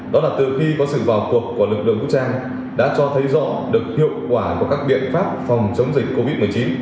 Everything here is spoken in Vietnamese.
đó là từ khi có sự vào cuộc của lực lượng vũ trang đã cho thấy rõ được hiệu quả của các biện pháp phòng chống dịch covid một mươi chín